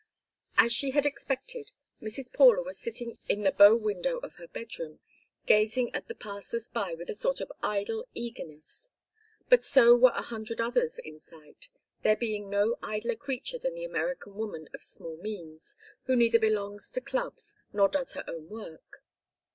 As she had expected, Mrs. Paula was sitting in the bow window of her bedroom, gazing at the passers by with a sort of idle eagerness. But so were a hundred others in sight, there being no idler creature than the American woman of small means, who neither belongs to clubs nor does her own work.